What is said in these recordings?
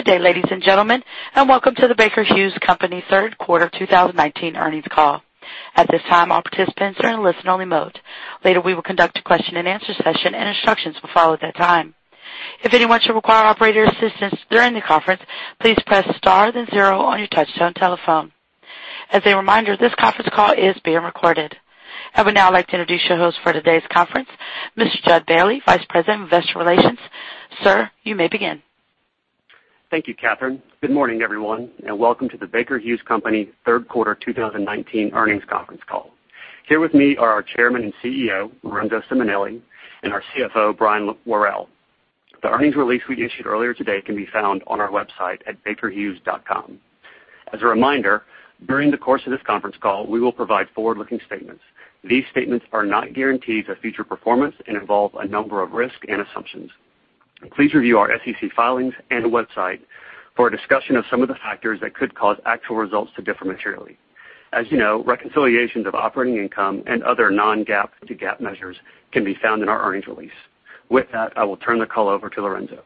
Good day, ladies and gentlemen, and welcome to the Baker Hughes Company third quarter 2019 earnings call. At this time, all participants are in listen-only mode. Later, we will conduct a question and answer session, and instructions will follow at that time. If anyone should require operator assistance during the conference, please press Star then zero on your touchtone telephone. As a reminder, this conference call is being recorded. I would now like to introduce your host for today's conference, Mr. Jud Bailey, Vice President of Investor Relations. Sir, you may begin. Thank you, Catherine. Good morning, everyone, welcome to the Baker Hughes Company third quarter 2019 earnings conference call. Here with me are our Chairman and CEO, Lorenzo Simonelli, and our CFO, Brian Worrell. The earnings release we issued earlier today can be found on our website at bakerhughes.com. As a reminder, during the course of this conference call, we will provide forward-looking statements. These statements are not guarantees of future performance and involve a number of risks and assumptions. Please review our SEC filings and website for a discussion of some of the factors that could cause actual results to differ materially. As you know, reconciliations of operating income and other non-GAAP to GAAP measures can be found in our earnings release. With that, I will turn the call over to Lorenzo.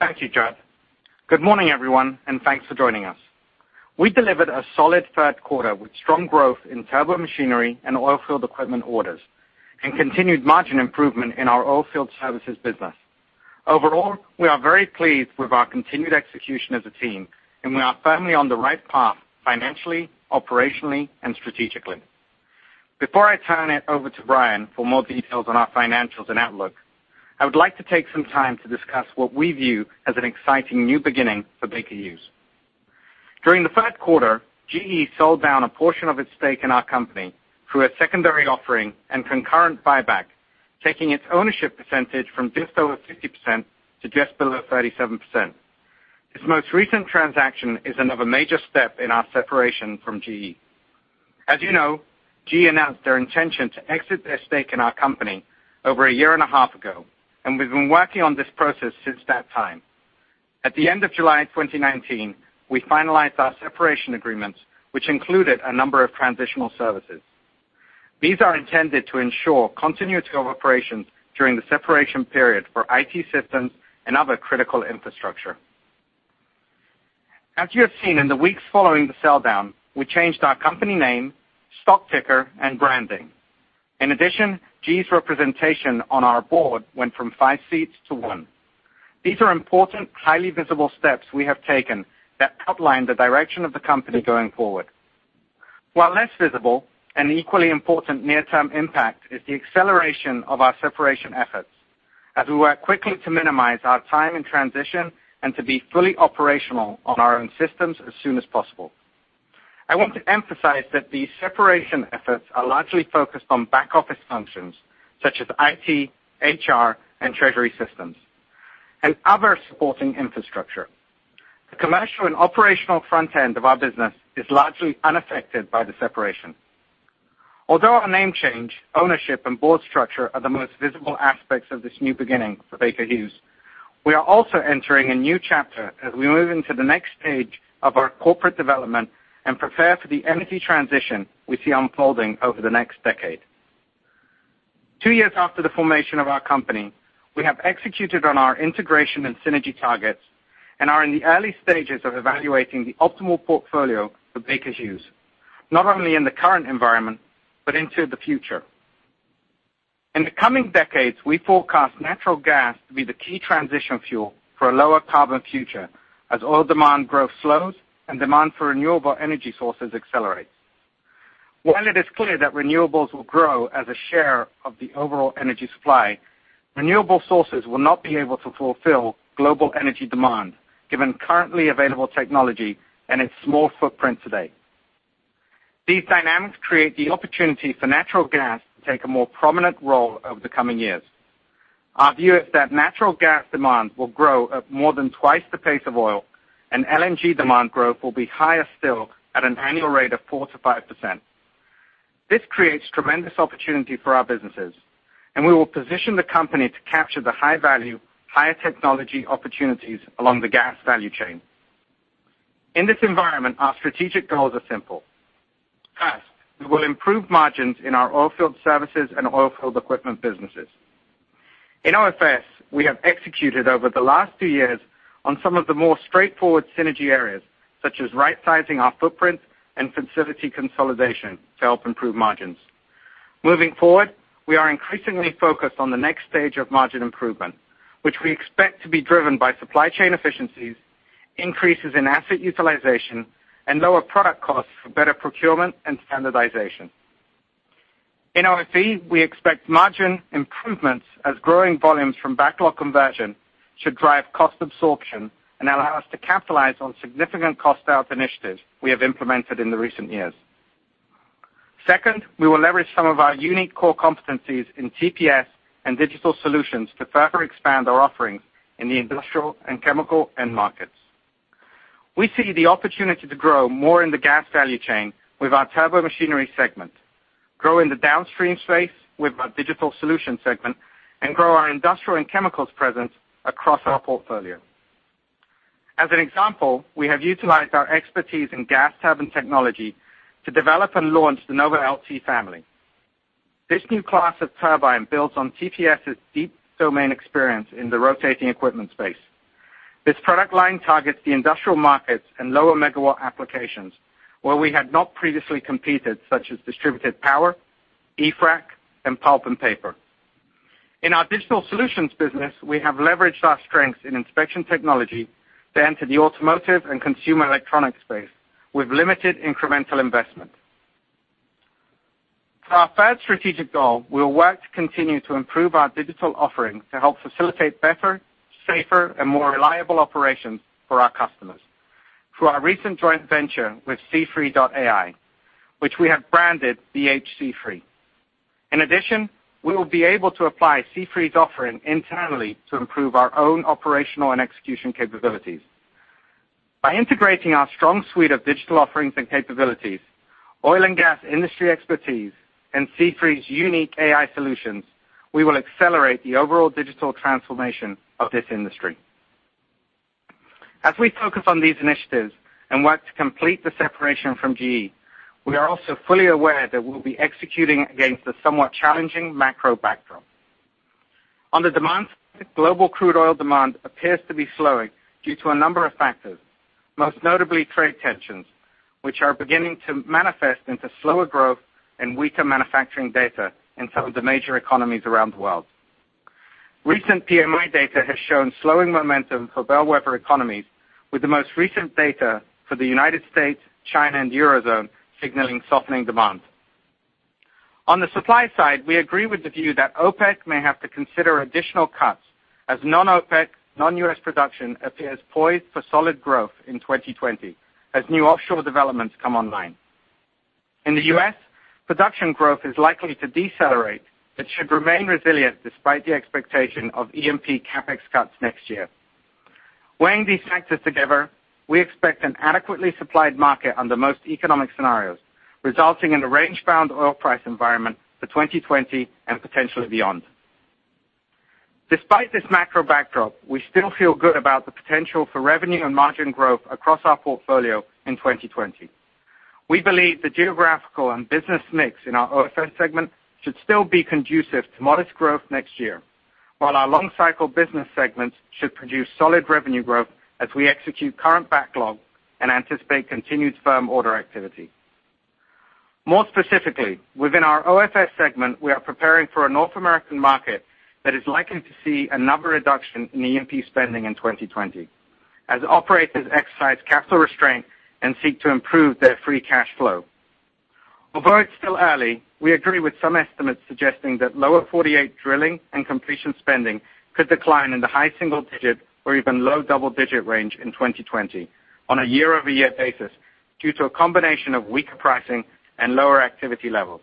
Thank you, Jud. Good morning, everyone, and thanks for joining us. We delivered a solid third quarter with strong growth in Turbomachinery and Oilfield Equipment orders and continued margin improvement in our Oilfield Services business. Overall, we are very pleased with our continued execution as a team, and we are firmly on the right path financially, operationally, and strategically. Before I turn it over to Brian for more details on our financials and outlook, I would like to take some time to discuss what we view as an exciting new beginning for Baker Hughes. During the third quarter, GE sold down a portion of its stake in our company through a secondary offering and concurrent buyback, taking its ownership percentage from just over 50% to just below 37%. This most recent transaction is another major step in our separation from GE. As you know, GE announced their intention to exit their stake in our company over a year and a half ago, and we've been working on this process since that time. At the end of July 2019, we finalized our separation agreements, which included a number of transitional services. These are intended to ensure continuity of operations during the separation period for IT systems and other critical infrastructure. As you have seen in the weeks following the sell down, we changed our company name, stock ticker, and branding. In addition, GE's representation on our board went from five seats to one. These are important, highly visible steps we have taken that outline the direction of the company going forward. While less visible, an equally important near-term impact is the acceleration of our separation efforts as we work quickly to minimize our time in transition and to be fully operational on our own systems as soon as possible. I want to emphasize that these separation efforts are largely focused on back-office functions such as IT, HR, and treasury systems and other supporting infrastructure. The commercial and operational front end of our business is largely unaffected by the separation. Although our name change, ownership, and board structure are the most visible aspects of this new beginning for Baker Hughes, we are also entering a new chapter as we move into the next stage of our corporate development and prepare for the energy transition we see unfolding over the next decade. Two years after the formation of our company, we have executed on our integration and synergy targets and are in the early stages of evaluating the optimal portfolio for Baker Hughes, not only in the current environment, but into the future. In the coming decades, we forecast natural gas to be the key transition fuel for a lower carbon future as oil demand growth slows and demand for renewable energy sources accelerates. While it is clear that renewables will grow as a share of the overall energy supply, renewable sources will not be able to fulfill global energy demand given currently available technology and its small footprint today. These dynamics create the opportunity for natural gas to take a more prominent role over the coming years. Our view is that natural gas demand will grow at more than twice the pace of oil, and LNG demand growth will be higher still at an annual rate of 4% to 5%. This creates tremendous opportunity for our businesses. We will position the company to capture the high-value, higher technology opportunities along the gas value chain. In this environment, our strategic goals are simple. First, we will improve margins in our oilfield services and oilfield equipment businesses. In OFS, we have executed over the last 2 years on some of the more straightforward synergy areas, such as right-sizing our footprint and facility consolidation to help improve margins. Moving forward, we are increasingly focused on the next stage of margin improvement, which we expect to be driven by supply chain efficiencies, increases in asset utilization, and lower product costs for better procurement and standardization. In OFE, we expect margin improvements as growing volumes from backlog conversion should drive cost absorption and allow us to capitalize on significant cost out initiatives we have implemented in the recent years. Second, we will leverage some of our unique core competencies in TPS and digital solutions to further expand our offerings in the industrial and chemical end markets. We see the opportunity to grow more in the gas value chain with our turbo machinery segment, grow in the downstream space with our digital solution segment, and grow our industrial and chemicals presence across our portfolio. As an example, we have utilized our expertise in gas turbine technology to develop and launch the NovaLT family. This new class of turbine builds on TPS's deep domain experience in the rotating equipment space. This product line targets the industrial markets and lower megawatt applications, where we had not previously competed, such as distributed power, e-frac, and pulp and paper. In our digital solutions business, we have leveraged our strengths in inspection technology to enter the automotive and consumer electronics space with limited incremental investment. For our third strategic goal, we will work to continue to improve our digital offerings to help facilitate better, safer, and more reliable operations for our customers through our recent joint venture with C3.ai, which we have branded BHC3. In addition, we will be able to apply C3's offering internally to improve our own operational and execution capabilities. By integrating our strong suite of digital offerings and capabilities, oil and gas industry expertise, and C3's unique AI solutions, we will accelerate the overall digital transformation of this industry. As we focus on these initiatives and work to complete the separation from GE, we are also fully aware that we'll be executing against a somewhat challenging macro backdrop. On the demand side, global crude oil demand appears to be slowing due to a number of factors, most notably trade tensions, which are beginning to manifest into slower growth and weaker manufacturing data in some of the major economies around the world. Recent PMI data has shown slowing momentum for bellwether economies, with the most recent data for the U.S., China, and Eurozone signaling softening demand. On the supply side, we agree with the view that OPEC may have to consider additional cuts as non-OPEC, non-U.S. production appears poised for solid growth in 2020 as new offshore developments come online. In the U.S., production growth is likely to decelerate, but should remain resilient despite the expectation of E&P CapEx cuts next year. Weighing these factors together, we expect an adequately supplied market under most economic scenarios, resulting in a range-bound oil price environment for 2020 and potentially beyond. Despite this macro backdrop, we still feel good about the potential for revenue and margin growth across our portfolio in 2020. We believe the geographical and business mix in our OFS segment should still be conducive to modest growth next year, while our long-cycle business segments should produce solid revenue growth as we execute current backlog and anticipate continued firm order activity. More specifically, within our OFS segment, we are preparing for a North American market that is likely to see another reduction in E&P spending in 2020 as operators exercise capital restraint and seek to improve their free cash flow. Although it's still early, we agree with some estimates suggesting that Lower 48 drilling and completion spending could decline in the high single-digit or even low double-digit range in 2020 on a year-over-year basis due to a combination of weaker pricing and lower activity levels.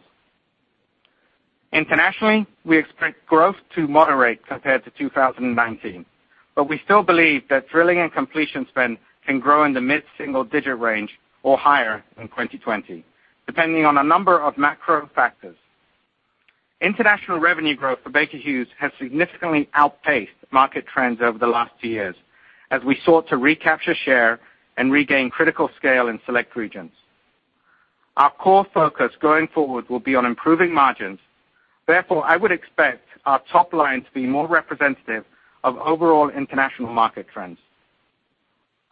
Internationally, we expect growth to moderate compared to 2019, but we still believe that drilling and completion spend can grow in the mid-single-digit range or higher in 2020, depending on a number of macro factors. International revenue growth for Baker Hughes has significantly outpaced market trends over the last two years as we sought to recapture share and regain critical scale in select regions. Our core focus going forward will be on improving margins. Therefore, I would expect our top line to be more representative of overall international market trends.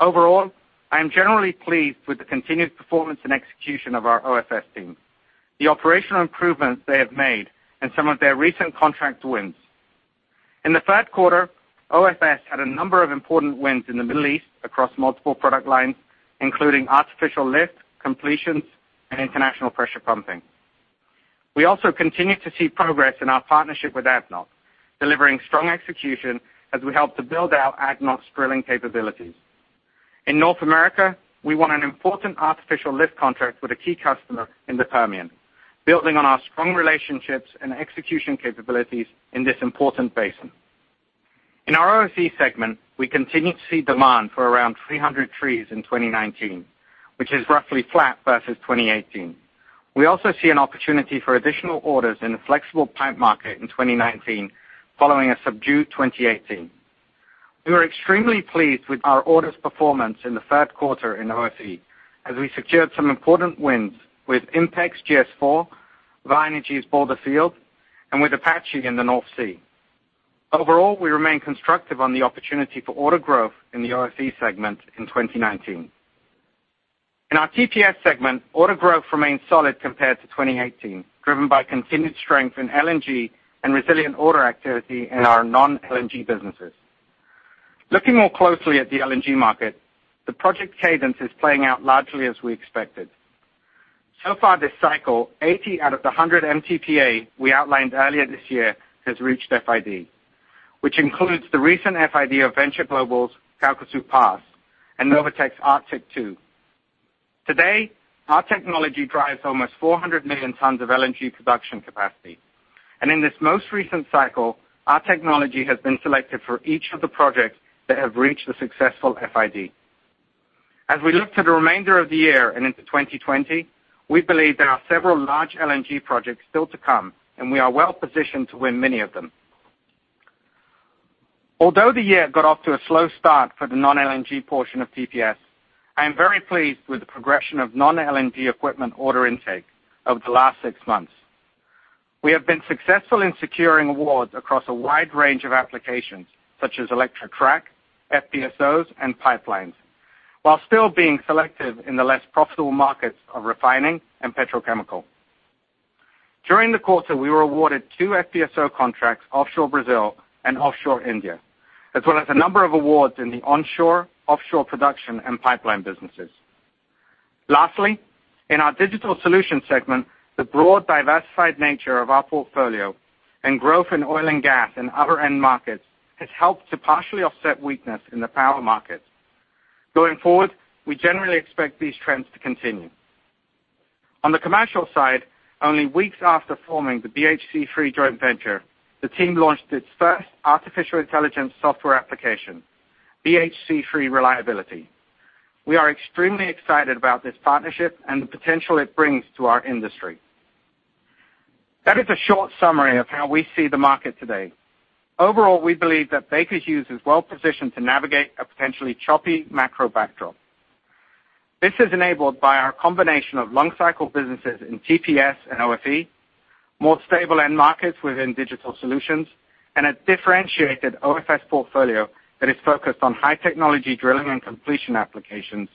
Overall, I am generally pleased with the continued performance and execution of our OFS team, the operational improvements they have made, and some of their recent contract wins. In the third quarter, OFS had a number of important wins in the Middle East across multiple product lines, including artificial lift, completions, and international pressure pumping. We also continue to see progress in our partnership with ADNOC, delivering strong execution as we help to build out ADNOC's drilling capabilities. In North America, we won an important artificial lift contract with a key customer in the Permian, building on our strong relationships and execution capabilities in this important basin. In our OFE segment, we continue to see demand for around 300 trees in 2019, which is roughly flat versus 2018. We also see an opportunity for additional orders in the flexible plant market in 2019 following a subdued 2018. We were extremely pleased with our orders performance in the third quarter in OFE as we secured some important wins with Inpex GS4, Vår Energi's Balder field, and with Apache in the North Sea. We remain constructive on the opportunity for order growth in the OFE segment in 2019. In our TPS segment, order growth remains solid compared to 2018, driven by continued strength in LNG and resilient order activity in our non-LNG businesses. Looking more closely at the LNG market, the project cadence is playing out largely as we expected. This cycle, 80 out of the 100 MTPA we outlined earlier this year has reached FID, which includes the recent FID of Venture Global's Calcasieu Pass and Novatek's Arctic LNG 2. Our technology drives almost 400 million tons of LNG production capacity. In this most recent cycle, our technology has been selected for each of the projects that have reached the successful FID. As we look to the remainder of the year and into 2020, we believe there are several large LNG projects still to come, and we are well positioned to win many of them. Although the year got off to a slow start for the non-LNG portion of TPS, I am very pleased with the progression of non-LNG equipment order intake over the last six months. We have been successful in securing awards across a wide range of applications such as e-frac, FPSOs, and pipelines, while still being selective in the less profitable markets of refining and petrochemical. During the quarter, we were awarded two FPSO contracts offshore Brazil and offshore India, as well as a number of awards in the onshore, offshore production, and pipeline businesses. Lastly, in our digital solutions segment, the broad diversified nature of our portfolio and growth in oil and gas and other end markets has helped to partially offset weakness in the power markets. Going forward, we generally expect these trends to continue. On the commercial side, only weeks after forming the BHC3 joint venture, the team launched its first artificial intelligence software application, BHC3 Reliability. We are extremely excited about this partnership and the potential it brings to our industry. That is a short summary of how we see the market today. Overall, we believe that Baker Hughes is well positioned to navigate a potentially choppy macro backdrop. This is enabled by our combination of long cycle businesses in TPS and OFE, more stable end markets within digital solutions, and a differentiated OFS portfolio that is focused on high technology drilling and completion applications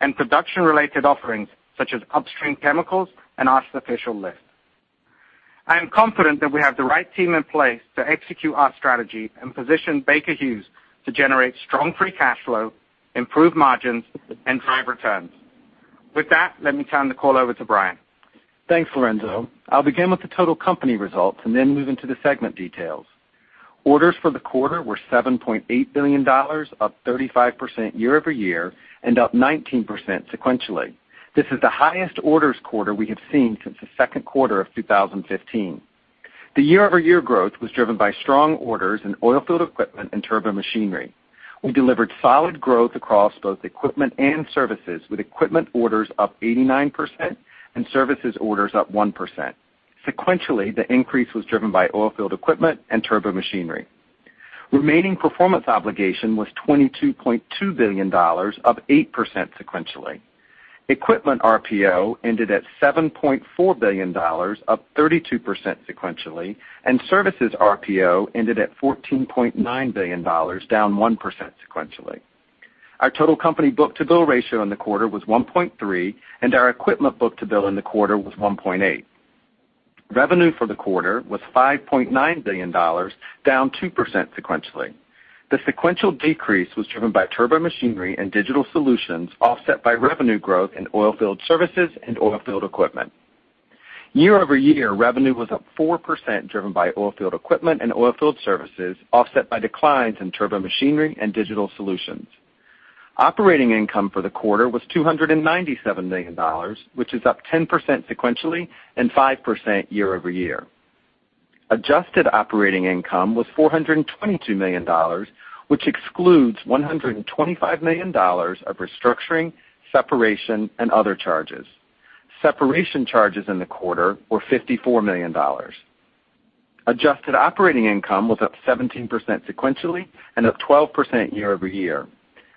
and production-related offerings such as upstream chemicals and artificial lift. I am confident that we have the right team in place to execute our strategy and position Baker Hughes to generate strong free cash flow, improve margins, and drive returns. With that, let me turn the call over to Brian. Thanks, Lorenzo. I'll begin with the total company results and then move into the segment details. Orders for the quarter were $7.8 billion, up 35% year-over-year and up 19% sequentially. This is the highest orders quarter we have seen since the second quarter of 2015. The year-over-year growth was driven by strong orders in Oilfield Equipment and Turbomachinery. We delivered solid growth across both equipment and services, with equipment orders up 89% and services orders up 1%. Sequentially, the increase was driven by Oilfield Equipment and Turbomachinery. Remaining Performance Obligation was $22.2 billion, up 8% sequentially. Equipment RPO ended at $7.4 billion, up 32% sequentially, and services RPO ended at $14.9 billion, down 1% sequentially. Our total company book-to-bill ratio in the quarter was 1.3, and our equipment book-to-bill in the quarter was 1.8. Revenue for the quarter was $5.9 billion, down 2% sequentially. The sequential decrease was driven by Turbomachinery and Digital Solutions, offset by revenue growth in Oilfield Services and Oilfield Equipment. Year-over-year, revenue was up 4%, driven by Oilfield Equipment and Oilfield Services, offset by declines in Turbomachinery and Digital Solutions. Operating income for the quarter was $297 million, which is up 10% sequentially and 5% year-over-year. Adjusted operating income was $422 million, which excludes $125 million of restructuring, separation, and other charges. Separation charges in the quarter were $54 million. Adjusted operating income was up 17% sequentially and up 12% year-over-year.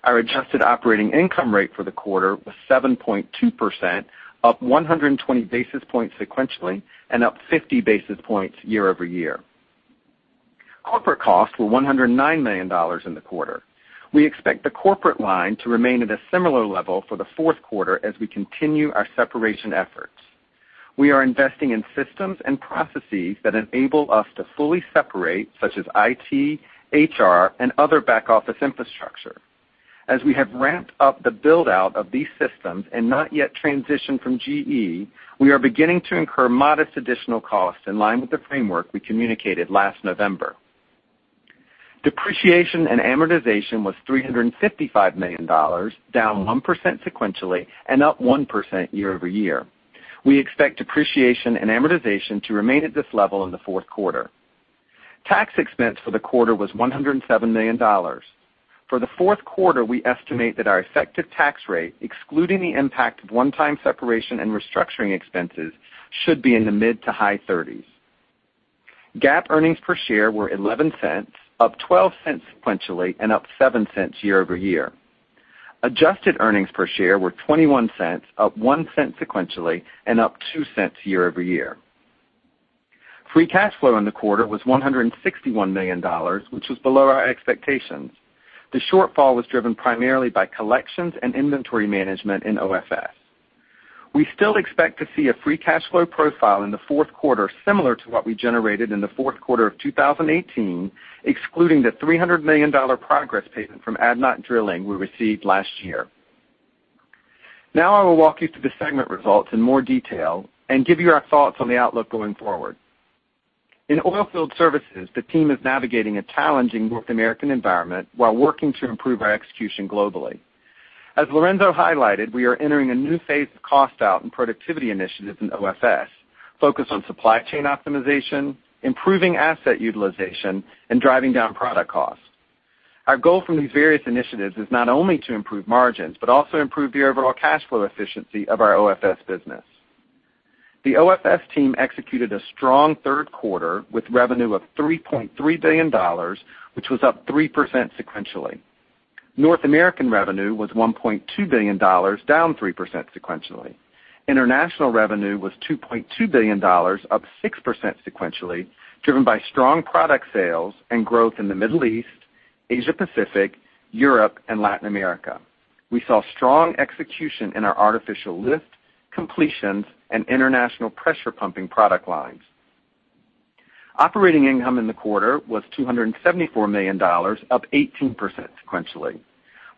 Our adjusted operating income rate for the quarter was 7.2%, up 120 basis points sequentially and up 50 basis points year-over-year. Corporate costs were $109 million in the quarter. We expect the corporate line to remain at a similar level for the fourth quarter as we continue our separation efforts. We are investing in systems and processes that enable us to fully separate, such as IT, HR, and other back-office infrastructure. As we have ramped up the build-out of these systems and not yet transitioned from GE, we are beginning to incur modest additional costs in line with the framework we communicated last November. Depreciation and amortization was $355 million, down 1% sequentially and up 1% year-over-year. We expect depreciation and amortization to remain at this level in the fourth quarter. Tax expense for the quarter was $107 million. For the fourth quarter, we estimate that our effective tax rate, excluding the impact of one-time separation and restructuring expenses, should be in the mid to high 30s. GAAP earnings per share were $0.11, up $0.12 sequentially and up $0.07 year-over-year. Adjusted earnings per share were $0.21, up $0.01 sequentially and up $0.02 year-over-year. Free cash flow in the quarter was $161 million, which was below our expectations. The shortfall was driven primarily by collections and inventory management in OFS. We still expect to see a free cash flow profile in the fourth quarter similar to what we generated in the fourth quarter of 2018, excluding the $300 million progress payment from ADNOC Drilling we received last year. I will walk you through the segment results in more detail and give you our thoughts on the outlook going forward. In oilfield services, the team is navigating a challenging North American environment while working to improve our execution globally. As Lorenzo highlighted, we are entering a new phase of cost out and productivity initiatives in OFS, focused on supply chain optimization, improving asset utilization, and driving down product costs. Our goal from these various initiatives is not only to improve margins, but also improve the overall cash flow efficiency of our OFS business. The OFS team executed a strong third quarter with revenue of $3.3 billion, which was up 3% sequentially. North American revenue was $1.2 billion, down 3% sequentially. International revenue was $2.2 billion, up 6% sequentially, driven by strong product sales and growth in the Middle East, Asia Pacific, Europe, and Latin America. We saw strong execution in our artificial lift, completions, and international pressure pumping product lines. Operating income in the quarter was $274 million, up 18% sequentially.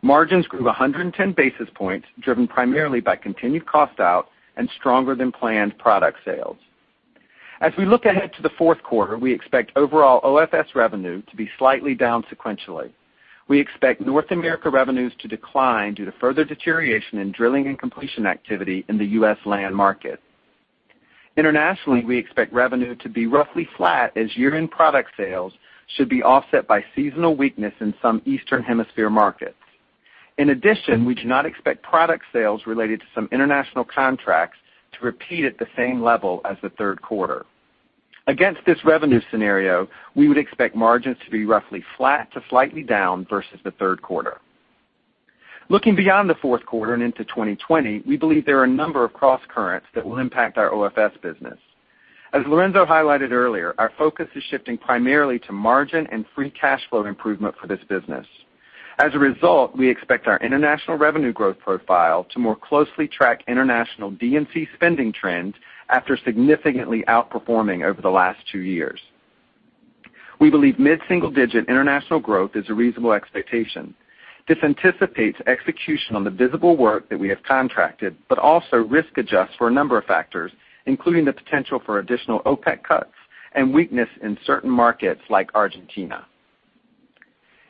Margins grew 110 basis points, driven primarily by continued cost out and stronger than planned product sales. As we look ahead to the fourth quarter, we expect overall OFS revenue to be slightly down sequentially. We expect North America revenues to decline due to further deterioration in drilling and completion activity in the U.S. land market. Internationally, we expect revenue to be roughly flat as year-end product sales should be offset by seasonal weakness in some Eastern Hemisphere markets. In addition, we do not expect product sales related to some international contracts to repeat at the same level as the third quarter. Against this revenue scenario, we would expect margins to be roughly flat to slightly down versus the third quarter. Looking beyond the fourth quarter and into 2020, we believe there are a number of crosscurrents that will impact our OFS business. As Lorenzo highlighted earlier, our focus is shifting primarily to margin and free cash flow improvement for this business. As a result, we expect our international revenue growth profile to more closely track international D&C spending trends after significantly outperforming over the last two years. We believe mid-single-digit international growth is a reasonable expectation. This anticipates execution on the visible work that we have contracted, but also risk adjusts for a number of factors, including the potential for additional OPEC cuts and weakness in certain markets like Argentina.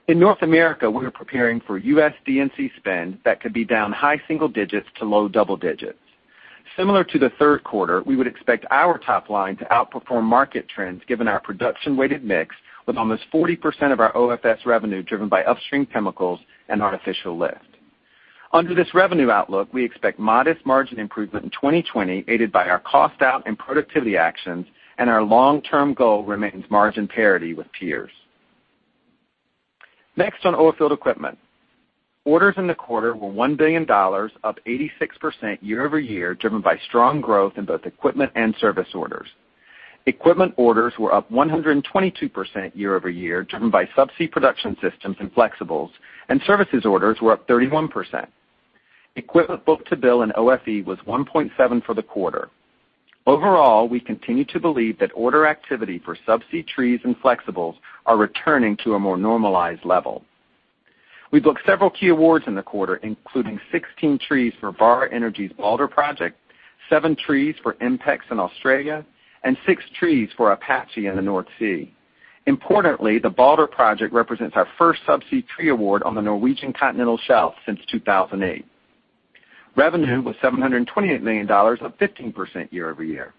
In North America, we are preparing for U.S. D&C spend that could be down high single digits to low double digits. Similar to the third quarter, we would expect our top line to outperform market trends, given our production-weighted mix with almost 40% of our OFS revenue driven by upstream chemicals and artificial lift. Under this revenue outlook, we expect modest margin improvement in 2020, aided by our cost out and productivity actions, and our long-term goal remains margin parity with peers. Next on Oilfield Equipment. Orders in the quarter were $1 billion, up 86% year-over-year, driven by strong growth in both equipment and service orders. Equipment orders were up 122% year-over-year, driven by subsea production systems and flexibles, and services orders were up 31%. Equipment book-to-bill in OFE was 1.7 for the quarter. Overall, we continue to believe that order activity for subsea trees and flexibles are returning to a more normalized level. We booked several key awards in the quarter, including 16 trees for Vår Energi's Balder project, seven trees for Inpex in Australia, and six trees for Apache in the North Sea. Importantly, the Balder project represents our first subsea tree award on the Norwegian continental shelf since 2008. Revenue was $728 million, up 15% year over year.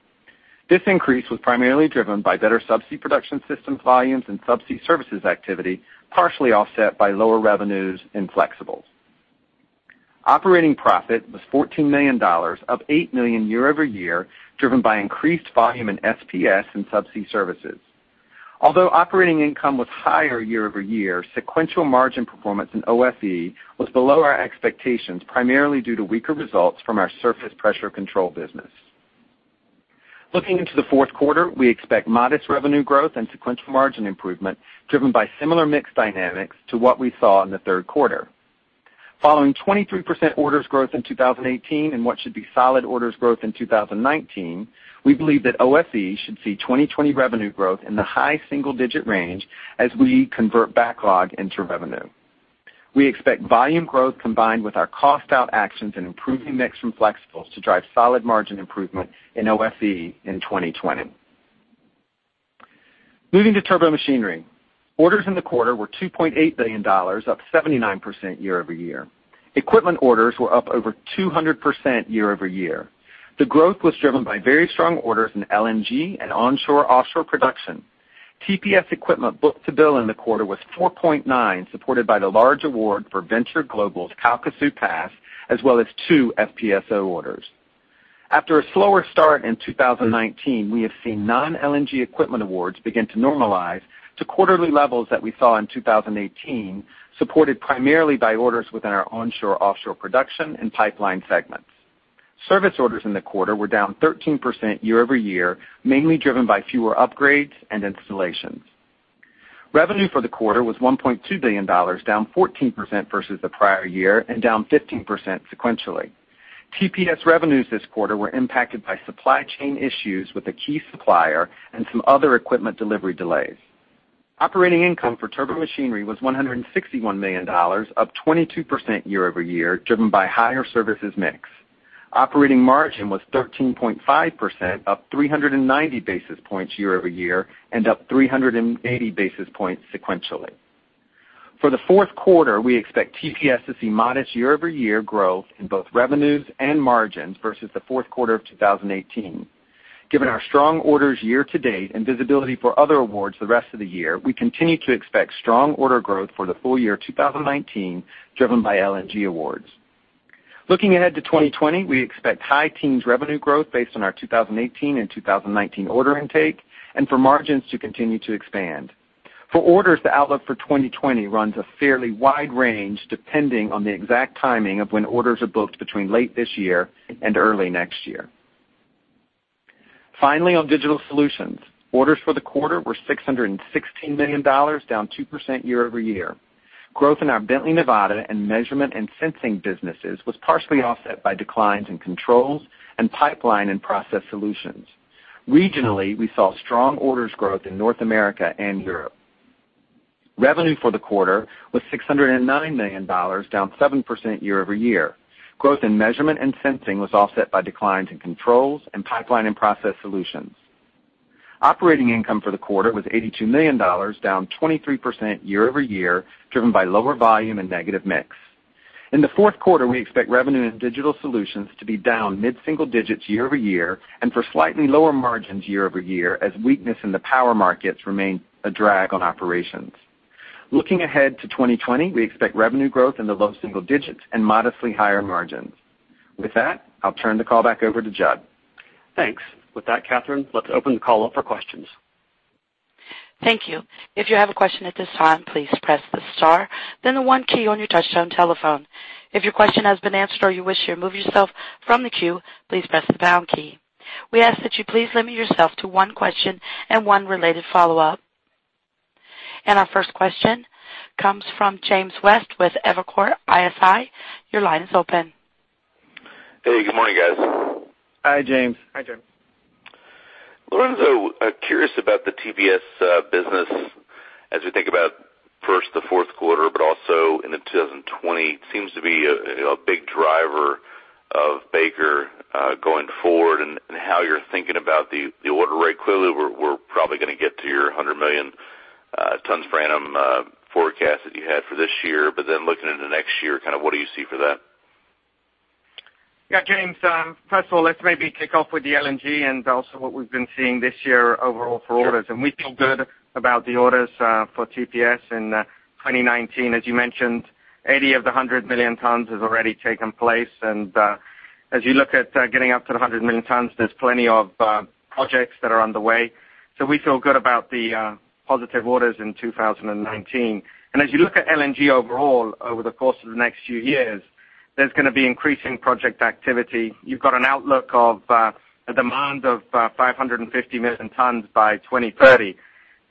This increase was primarily driven by better subsea production system volumes and subsea services activity, partially offset by lower revenues in flexibles. Operating profit was $14 million, up $8 million year over year, driven by increased volume in SPS and subsea services. Although operating income was higher year over year, sequential margin performance in OFE was below our expectations, primarily due to weaker results from our Surface Pressure Control business. Looking into the fourth quarter, we expect modest revenue growth and sequential margin improvement driven by similar mix dynamics to what we saw in the third quarter. Following 23% orders growth in 2018 and what should be solid orders growth in 2019, we believe that OFE should see 2020 revenue growth in the high single-digit range as we convert backlog into revenue. We expect volume growth combined with our cost-out actions and improving mix from flexibles to drive solid margin improvement in OFE in 2020. Moving to Turbomachinery. Orders in the quarter were $2.8 billion, up 79% year-over-year. Equipment orders were up over 200% year-over-year. The growth was driven by very strong orders in LNG and onshore-offshore production. TPS equipment book-to-bill in the quarter was 4.9, supported by the large award for Venture Global's Calcasieu Pass, as well as two FPSO orders. After a slower start in 2019, we have seen non-LNG equipment awards begin to normalize to quarterly levels that we saw in 2018, supported primarily by orders within our onshore/offshore production and pipeline segments. Service orders in the quarter were down 13% year-over-year, mainly driven by fewer upgrades and installations. Revenue for the quarter was $1.2 billion, down 14% versus the prior year and down 15% sequentially. TPS revenues this quarter were impacted by supply chain issues with a key supplier and some other equipment delivery delays. Operating income for Turbomachinery was $161 million, up 22% year-over-year, driven by higher services mix. Operating margin was 13.5%, up 390 basis points year-over-year and up 380 basis points sequentially. For the fourth quarter, we expect TPS to see modest year-over-year growth in both revenues and margins versus the fourth quarter of 2018. Given our strong orders year to date and visibility for other awards the rest of the year, we continue to expect strong order growth for the full year 2019, driven by LNG awards. Looking ahead to 2020, we expect high teens revenue growth based on our 2018 and 2019 order intake, and for margins to continue to expand. For orders, the outlook for 2020 runs a fairly wide range, depending on the exact timing of when orders are booked between late this year and early next year. Finally, on digital solutions. Orders for the quarter were $616 million, down 2% year-over-year. Growth in our Bently Nevada and measurement & sensing businesses was partially offset by declines in controls and pipeline & process solutions. Regionally, we saw strong orders growth in North America and Europe. Revenue for the quarter was $609 million, down 7% year-over-year. Growth in measurement & sensing was offset by declines in controls and pipeline & process solutions. Operating income for the quarter was $82 million, down 23% year-over-year, driven by lower volume and negative mix. In the fourth quarter, we expect revenue in digital solutions to be down mid-single digits year-over-year, and for slightly lower margins year-over-year, as weakness in the power markets remains a drag on operations. Looking ahead to 2020, we expect revenue growth in the low single digits and modestly higher margins. With that, I'll turn the call back over to Jud. Thanks. With that, Catherine, let's open the call up for questions. Thank you. If you have a question at this time, please press the star, then the one key on your touchtone telephone. If your question has been answered or you wish to remove yourself from the queue, please press the pound key. We ask that you please limit yourself to one question and one related follow-up. Our first question comes from James West with Evercore ISI. Your line is open. Hey, good morning, guys. Hi, James. Hi, James. Lorenzo, curious about the TPS business as we think about, first the fourth quarter, but also into 2020. Seems to be a big driver of Baker, going forward and how you're thinking about the order rate. Clearly, we're probably going to get to your 100 million tons per annum forecast that you had for this year, looking into next year, what do you see for that? James, first of all, let's maybe kick off with the LNG, also what we've been seeing this year overall for orders. We feel good about the orders for TPS in 2019. As you mentioned, 80 of the 100 million tons has already taken place. As you look at getting up to the 100 million tons, there's plenty of projects that are underway. We feel good about the positive orders in 2019. As you look at LNG overall over the course of the next few years, there's going to be increasing project activity. You've got an outlook of a demand of 550 million tons by 2030.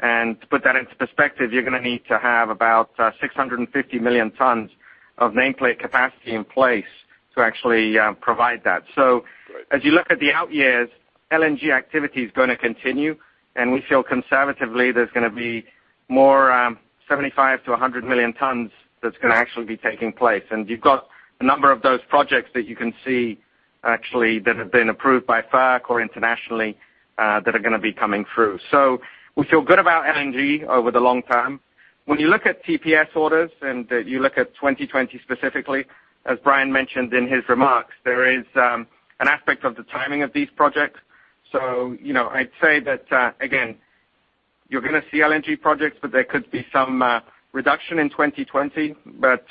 To put that into perspective, you're going to need to have about 650 million tons of nameplate capacity in place to actually provide that. As you look at the out years, LNG activity is going to continue, and we feel conservatively there's going to be more, 75-100 million tons that's going to actually be taking place. You've got a number of those projects that you can see actually that have been approved by FERC or internationally, that are going to be coming through. We feel good about LNG over the long term. When you look at TPS orders and you look at 2020 specifically, as Brian mentioned in his remarks, there is an aspect of the timing of these projects. I'd say that, again, you're going to see LNG projects, but there could be some reduction in 2020, but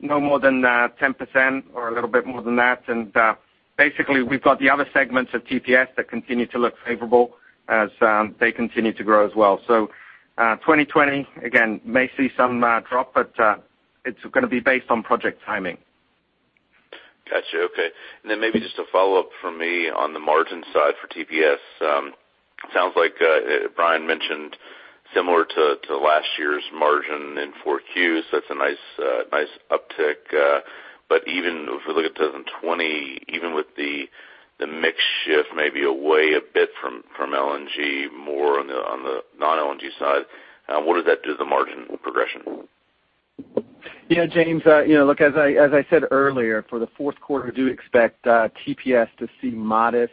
no more than 10% or a little bit more than that. Basically, we've got the other segments of TPS that continue to look favorable as they continue to grow as well. 2020, again, may see some drop, but it's going to be based on project timing. Got you. Okay. Maybe just a follow-up from me on the margin side for TPS. Sounds like Brian mentioned similar to last year's margin in 4 Qs. That's a nice uptick. Even if we look at 2020, even with the mix shift, maybe away a bit from LNG, more on the non-LNG side, what does that do to the margin progression? Yeah, James, look, as I said earlier, for the fourth quarter, we do expect TPS to see modest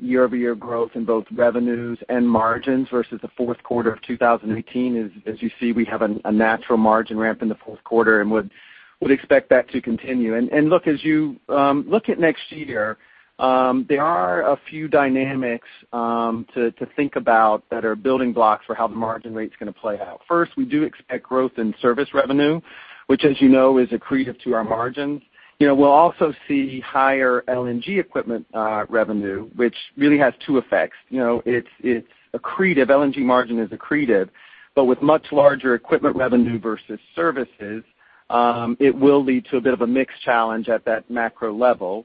year-over-year growth in both revenues and margins versus the fourth quarter of 2018. As you see, we have a natural margin ramp in the fourth quarter and would expect that to continue. Look, as you look at next year, there are a few dynamics to think about that are building blocks for how the margin rate's going to play out. First, we do expect growth in service revenue, which, as you know, is accretive to our margins. We'll also see higher LNG equipment revenue, which really has two effects. It's accretive. LNG margin is accretive, with much larger equipment revenue versus services, it will lead to a bit of a mix challenge at that macro level.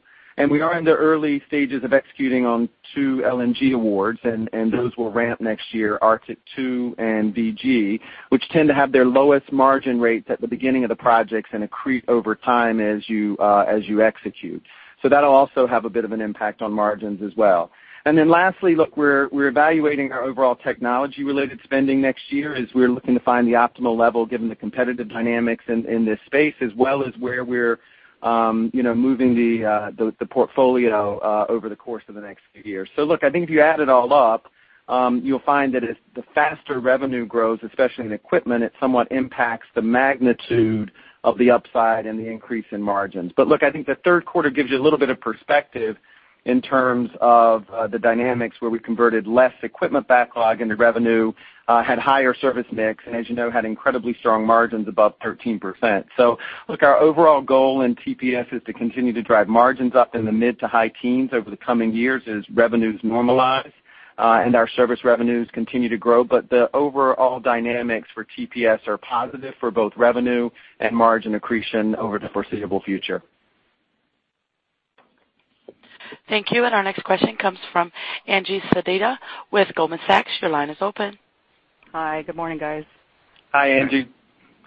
We are in the early stages of executing on two LNG awards, those will ramp next year, Arctic LNG 2 and DG, which tend to have their lowest margin rates at the beginning of the projects and accrete over time as you execute. That'll also have a bit of an impact on margins as well. Lastly, look, we're evaluating our overall technology-related spending next year as we're looking to find the optimal level given the competitive dynamics in this space, as well as where we're moving the portfolio over the course of the next few years. Look, I think if you add it all up, you'll find that the faster revenue grows, especially in equipment, it somewhat impacts the magnitude of the upside and the increase in margins. Look, I think the third quarter gives you a little bit of perspective in terms of the dynamics where we converted less equipment backlog into revenue, had higher service mix, and as you know, had incredibly strong margins above 13%. Look, our overall goal in TPS is to continue to drive margins up in the mid to high teens over the coming years as revenues normalize and our service revenues continue to grow. The overall dynamics for TPS are positive for both revenue and margin accretion over the foreseeable future. Thank you. Our next question comes from Angie Sedita with Goldman Sachs. Your line is open. Hi. Good morning, guys. Hi, Angie.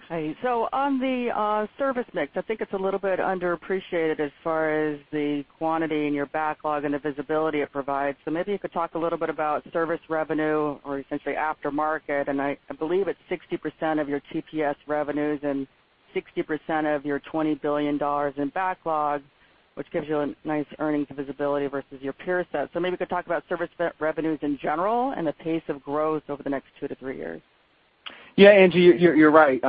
Hi. On the service mix, I think it's a little bit underappreciated as far as the quantity in your backlog and the visibility it provides. Maybe you could talk a little bit about service revenue or essentially aftermarket, and I believe it's 60% of your TPS revenues and 60% of your $20 billion in backlog, which gives you a nice earnings visibility versus your peer set. Maybe you could talk about service revenues in general and the pace of growth over the next two to three years. Yeah, Angie, you're right.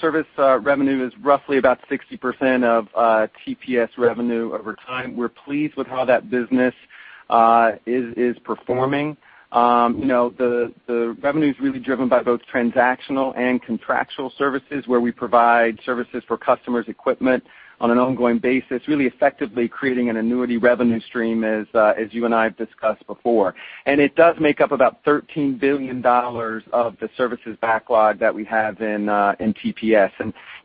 Service revenue is roughly about 60% of TPS revenue over time. We're pleased with how that business is performing. The revenue's really driven by both transactional and contractual services, where we provide services for customers' equipment on an ongoing basis, really effectively creating an annuity revenue stream, as you and I have discussed before. It does make up about $13 billion of the services backlog that we have in TPS.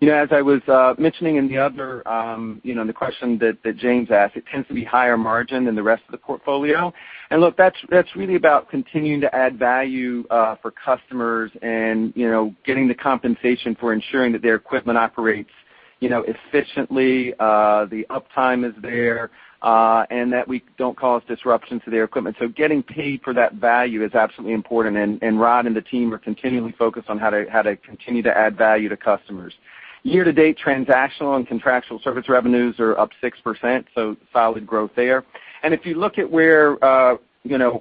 As I was mentioning in the question that James asked, it tends to be higher margin than the rest of the portfolio. Look, that's really about continuing to add value for customers and getting the compensation for ensuring that their equipment operates efficiently, the uptime is there, and that we don't cause disruption to their equipment. Getting paid for that value is absolutely important, and Rod and the team are continually focused on how to continue to add value to customers. Year to date, transactional and contractual service revenues are up 6%, so solid growth there. If you look at where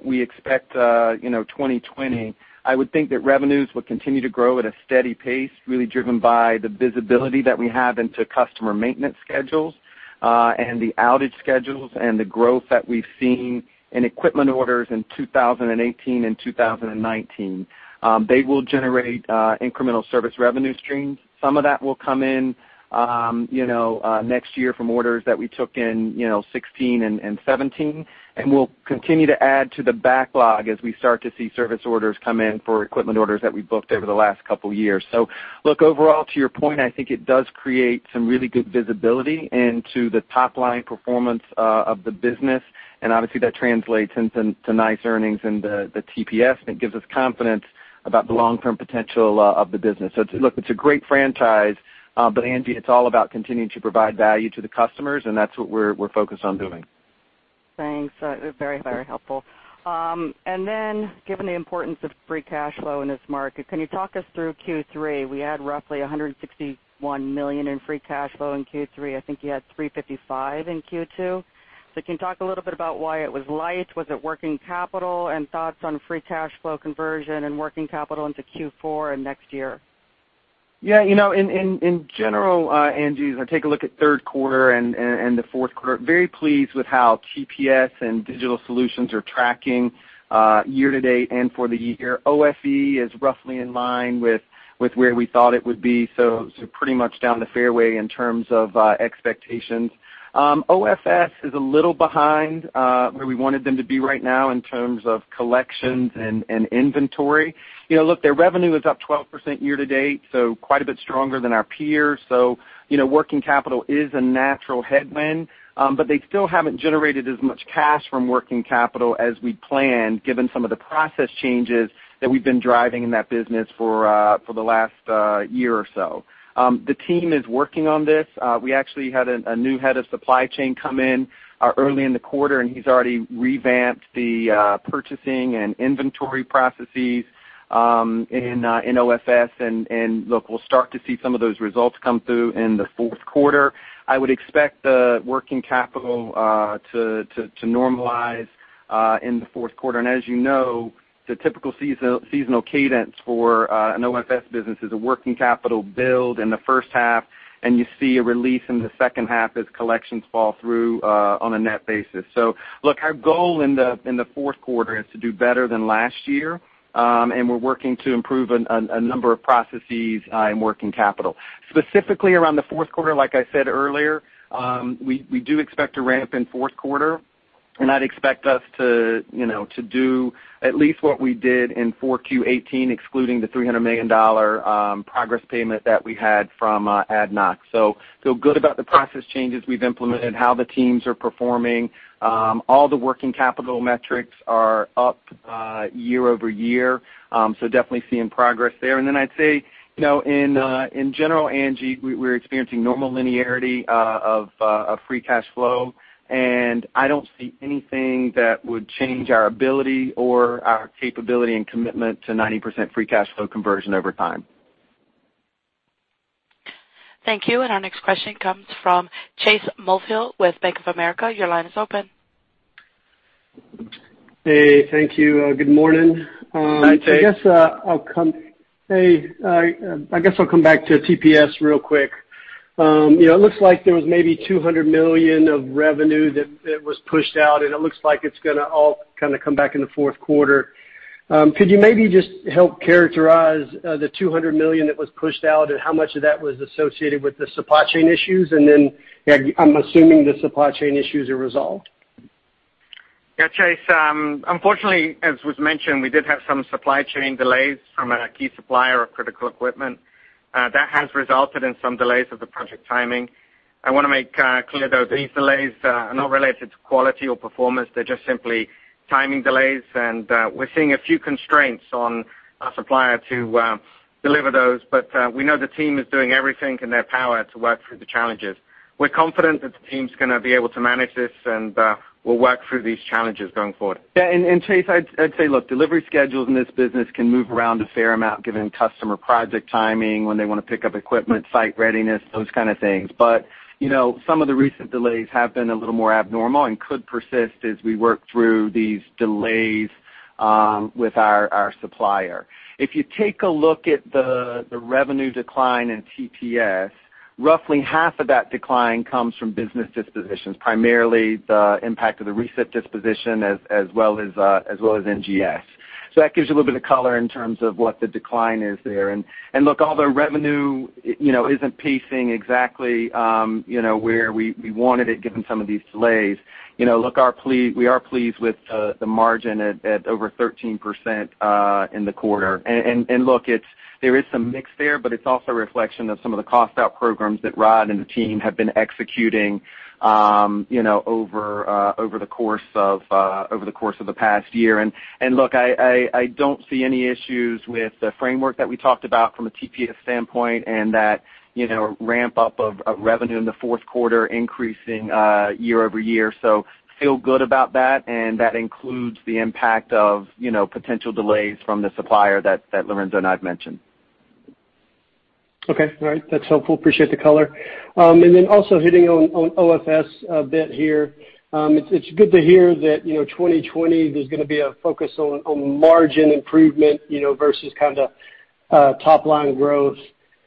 we expect 2020, I would think that revenues will continue to grow at a steady pace, really driven by the visibility that we have into customer maintenance schedules and the outage schedules and the growth that we've seen in equipment orders in 2018 and 2019. They will generate incremental service revenue streams. Some of that will come in next year from orders that we took in 2016 and 2017. We'll continue to add to the backlog as we start to see service orders come in for equipment orders that we booked over the last couple of years. Overall, to your point, I think it does create some really good visibility into the top-line performance of the business, and obviously that translates into nice earnings in the TPS, and it gives us confidence about the long-term potential of the business. It's a great franchise, but Angie, it's all about continuing to provide value to the customers, and that's what we're focused on doing. Thanks. Very helpful. Given the importance of free cash flow in this market, can you talk us through Q3? We had roughly $161 million in free cash flow in Q3. I think you had $355 in Q2. Can you talk a little bit about why it was light? Was it working capital, and thoughts on free cash flow conversion and working capital into Q4 and next year? In general, Angie, as I take a look at third quarter and the fourth quarter, very pleased with how TPS and digital solutions are tracking year to date and for the year. OFE is roughly in line with where we thought it would be, pretty much down the fairway in terms of expectations. OFS is a little behind where we wanted them to be right now in terms of collections and inventory. Look, their revenue is up 12% year to date, quite a bit stronger than our peers. Working capital is a natural headwind, they still haven't generated as much cash from working capital as we planned, given some of the process changes that we've been driving in that business for the last year or so. The team is working on this. We actually had a new head of supply chain come in early in the quarter, and he's already revamped the purchasing and inventory processes in OFS, and look, we'll start to see some of those results come through in the fourth quarter. I would expect the working capital to normalize in the fourth quarter. As you know, the typical seasonal cadence for an OFS business is a working capital build in the first half, and you see a release in the second half as collections fall through on a net basis. Look, our goal in the fourth quarter is to do better than last year, and we're working to improve a number of processes in working capital. Specifically around the fourth quarter, like I said earlier, we do expect to ramp in fourth quarter, I'd expect us to do at least what we did in 4Q 2018, excluding the $300 million progress payment that we had from ADNOC. Feel good about the process changes we've implemented, how the teams are performing. All the working capital metrics are up year-over-year, definitely seeing progress there. I'd say, in general, Angie, we're experiencing normal linearity of free cash flow, and I don't see anything that would change our ability or our capability and commitment to 90% free cash flow conversion over time. Thank you. Our next question comes from Chase Mulvehill with Bank of America. Your line is open. Hey, thank you. Good morning. Hi, Chase. I guess I'll come back to TPS real quick. It looks like there was maybe $200 million of revenue that was pushed out, and it looks like it's going to all kind of come back in the fourth quarter. Could you maybe just help characterize the $200 million that was pushed out, and how much of that was associated with the supply chain issues? I'm assuming the supply chain issues are resolved. Yeah, Chase. Unfortunately, as was mentioned, we did have some supply chain delays from a key supplier of critical equipment. That has resulted in some delays of the project timing. I want to make clear, though, these delays are not related to quality or performance. They're just simply timing delays. We're seeing a few constraints on our supplier to deliver those. We know the team is doing everything in their power to work through the challenges. We're confident that the team's going to be able to manage this, and we'll work through these challenges going forward. Chase, I'd say, look, delivery schedules in this business can move around a fair amount given customer project timing, when they want to pick up equipment, site readiness, those kind of things. Some of the recent delays have been a little more abnormal and could persist as we work through these delays with our supplier. If you take a look at the revenue decline in TPS, roughly half of that decline comes from business dispositions, primarily the impact of the recent disposition as well as NGS. That gives you a little bit of color in terms of what the decline is there. Look, although revenue isn't pacing exactly where we wanted it given some of these delays, we are pleased with the margin at over 13% in the quarter. Look, there is some mix there, but it's also a reflection of some of the cost-out programs that Rod and the team have been executing over the course of the past year. Look, I don't see any issues with the framework that we talked about from a TPS standpoint and that ramp-up of revenue in the fourth quarter increasing year-over-year. Feel good about that, and that includes the impact of potential delays from the supplier that Lorenzo and I have mentioned. Okay. All right. That's helpful. Appreciate the color. Also hitting on OFS a bit here. It's good to hear that 2020, there's going to be a focus on margin improvement versus kind of top-line growth.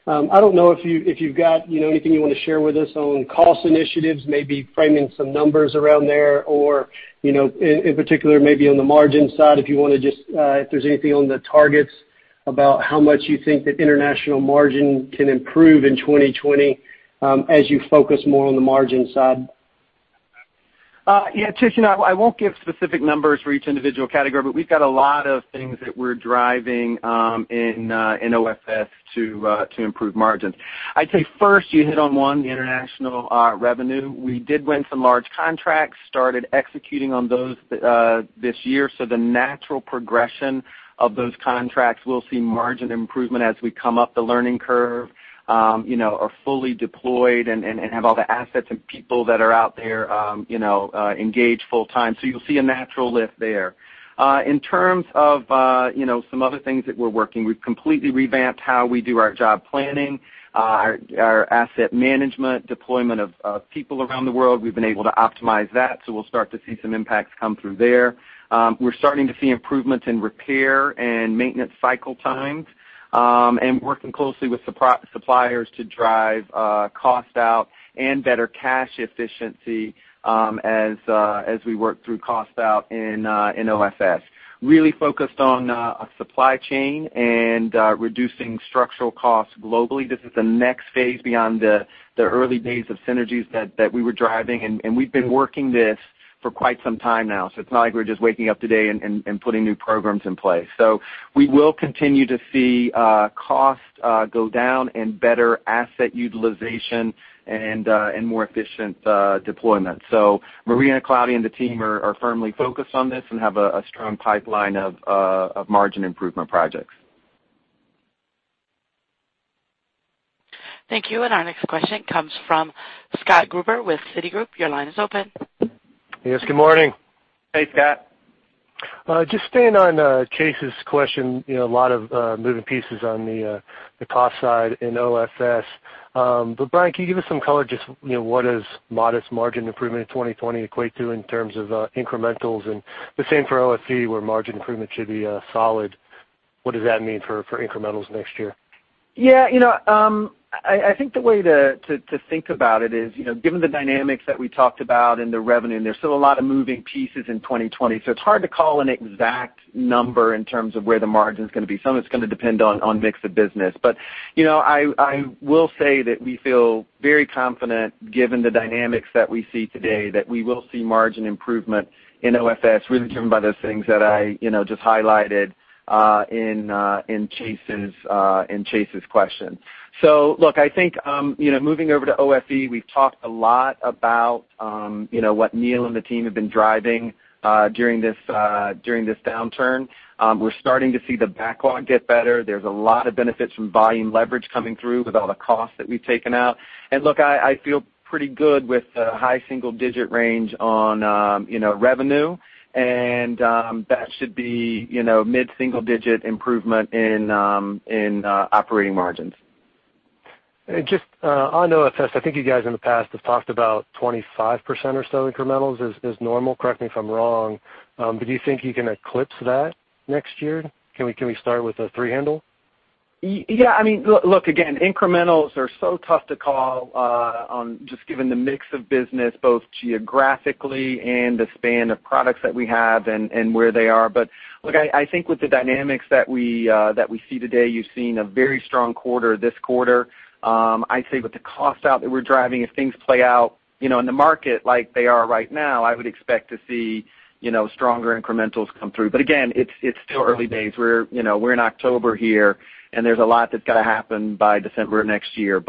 I don't know if you've got anything you want to share with us on cost initiatives, maybe framing some numbers around there, or in particular maybe on the margin side, if there's anything on the targets about how much you think that international margin can improve in 2020 as you focus more on the margin side? Yeah, Chase, I won't give specific numbers for each individual category, but we've got a lot of things that we're driving in OFS to improve margins. I'd say first, you hit on one, the international revenue. We did win some large contracts, started executing on those this year. The natural progression of those contracts, we'll see margin improvement as we come up the learning curve, are fully deployed and have all the assets and people that are out there engaged full time. You'll see a natural lift there. In terms of some other things that we're working, we've completely revamped how we do our job planning, our asset management, deployment of people around the world. We've been able to optimize that, we'll start to see some impacts come through there. We're starting to see improvements in repair and maintenance cycle times, and working closely with suppliers to drive cost out and better cash efficiency as we work through cost out in OFS. Really focused on supply chain and reducing structural costs globally. This is the next phase beyond the early days of synergies that we were driving, and we've been working this for quite some time now. It's not like we're just waking up today and putting new programs in place. We will continue to see costs go down and better asset utilization and more efficient deployment. Maria Claudia and the team are firmly focused on this and have a strong pipeline of margin improvement projects. Thank you. Our next question comes from Scott Gruber with Citigroup. Your line is open. Yes, good morning. Hey, Scott. Just staying on Chase's question, a lot of moving pieces on the cost side in OFS. Brian, can you give us some color, just what does modest margin improvement in 2020 equate to in terms of incrementals? The same for OFE, where margin improvement should be solid. What does that mean for incrementals next year? I think the way to think about it is, given the dynamics that we talked about and the revenue, there's still a lot of moving pieces in 2020, it's hard to call an exact number in terms of where the margin's going to be. Some of it's going to depend on mix of business. I will say that we feel very confident given the dynamics that we see today, that we will see margin improvement in OFS, really driven by those things that I just highlighted in Chase's question. Look, I think, moving over to OFE, we've talked a lot about what Neil and the team have been driving during this downturn. We're starting to see the backlog get better. There's a lot of benefits from volume leverage coming through with all the costs that we've taken out. Look, I feel pretty good with the high single-digit range on revenue, and that should be mid-single digit improvement in operating margins. Just on OFS, I think you guys in the past have talked about 25% or so incrementals is normal. Correct me if I'm wrong. Do you think you can eclipse that next year? Can we start with a three handle? Yeah. Look, again, incrementals are so tough to call on just given the mix of business, both geographically and the span of products that we have and where they are. Look, I think with the dynamics that we see today, you've seen a very strong quarter this quarter. I'd say with the cost out that we're driving, if things play out in the market like they are right now, I would expect to see stronger incrementals come through. Again, it's still early days. We're in October here, and there's a lot that's got to happen by December of next year.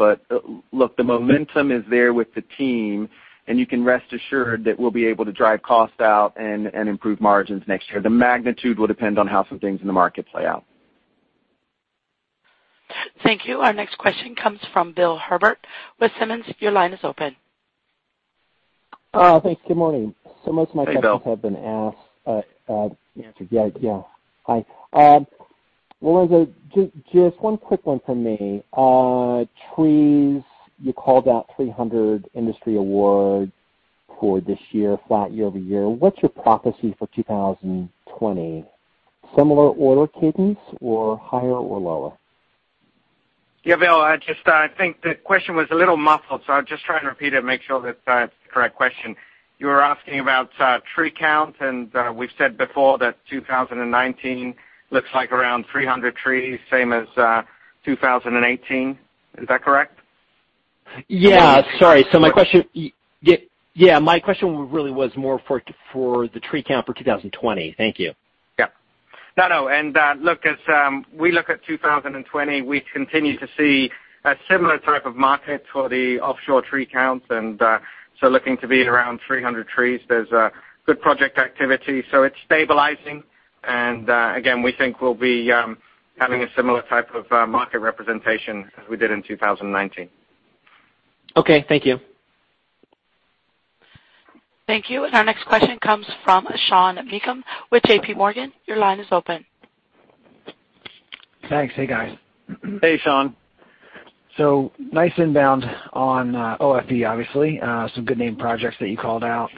Look, the momentum is there with the team, and you can rest assured that we'll be able to drive costs out and improve margins next year. The magnitude will depend on how some things in the market play out. Thank you. Our next question comes from Bill Herbert with Simmons. Your line is open. Thanks. Good morning. Hey, Bill. Most of my questions have been asked. Yeah. Hi. Lorenzo, just one quick one from me. Trees, you called out 300 industry awards for this year, flat year-over-year. What's your prophecy for 2020? Similar order cadence or higher or lower? Yeah, Bill, I think the question was a little muffled, so I'll just try and repeat it and make sure that it's the correct question. You were asking about tree count, and we've said before that 2019 looks like around 300 trees, same as 2018. Is that correct? Yeah. Sorry. Yeah, my question really was more for the tree count for 2020. Thank you. Yeah. No, look, as we look at 2020, we continue to see a similar type of market for the offshore tree count, and so looking to be around 300 trees. There's good project activity. It's stabilizing, and again, we think we'll be having a similar type of market representation as we did in 2019. Okay, thank you. Thank you. Our next question comes from Sean Meakim with JPMorgan. Your line is open. Thanks. Hey, guys. Hey, Sean. Nice inbound on OFE, obviously. Some good name projects that you called out.